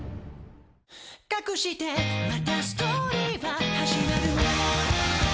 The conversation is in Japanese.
「かくしてまたストーリーは始まる」